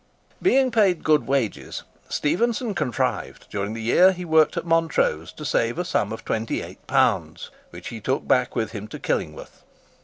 Being paid good wages, Stephenson contrived, during the year he worked at Montrose, to save a sum of £28, which he took back with him to Killingworth.